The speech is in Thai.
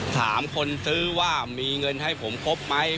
ถามคนซื้อว่ามีเงินให้ผมครบไหม